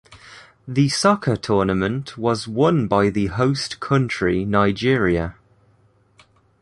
The soccer tournament was won by the host country Nigeria.